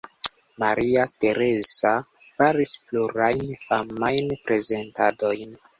Maria Teresa faris plurajn famajn prezentadojn.